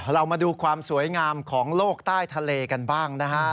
เรามาดูความสวยงามของโลกใต้ทะเลกันบ้างนะฮะ